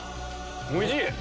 おいしい！